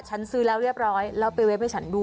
ฉันซื้อแล้วเรียบร้อยแล้วไปเว็บให้ฉันดู